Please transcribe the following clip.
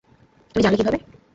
তুমি জানলে কীভাবে?